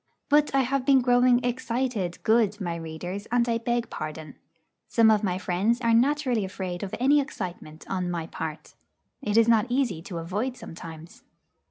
But I have been growing 'excited,' good my readers, and I beg pardon. Some of my friends are naturally afraid of any excitement on my part. It is not easy to avoid sometimes.